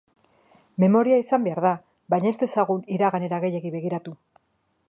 Memoria izan behar da, baina ez dezagun iraganera gehiegi begiratu.